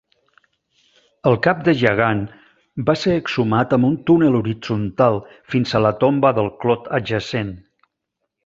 El cap de Yagan va ser exhumat amb un túnel horitzontal fins a la tomba del clot adjacent.